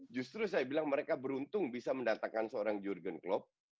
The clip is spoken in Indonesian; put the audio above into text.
justru saya bilang mereka beruntung bisa mendatangkan seorang jurgen klopp